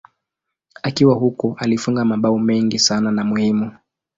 Akiwa huko alifunga mabao mengi sana na muhimu.